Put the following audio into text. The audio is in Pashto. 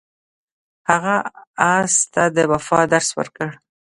هغه اس ته د وفا درس ورکړ.